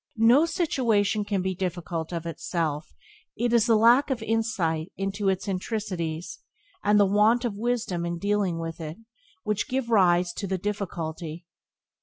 No situation can be difficult of itself; it is the lack of insight into its intricacies, and the want of wisdom in dealing with it, which give rise to the difficulty.